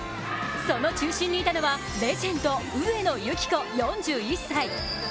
その中心にいたのはレジェンド上野由岐子４１歳。